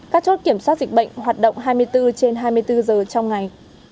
các chốt kiểm soát dịch bệnh hoạt động hai mươi bốn trên hai mươi bốn giờ trong ngày